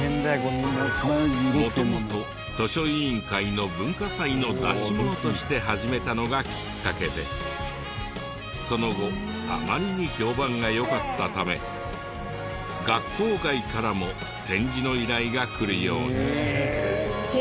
元々図書委員会の文化祭の出し物として始めたのがきっかけでその後あまりに評判が良かったため学校外からも展示の依頼が来るように。